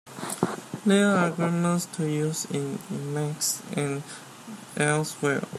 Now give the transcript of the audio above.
There are grammars to use in Emacs and elsewhere.